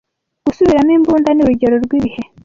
Gusubiramo imbunda ni urugero rwibihe